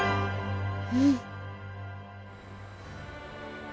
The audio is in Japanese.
うん。